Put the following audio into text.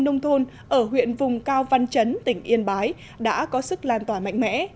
nông thôn ở huyện vùng cao văn chấn tỉnh yên bái đã có sức lan tỏa mạnh mẽ